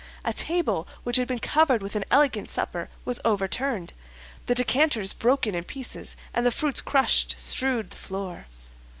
A table, which had been covered with an elegant supper, was overturned. The decanters broken in pieces, and the fruits crushed, strewed the floor.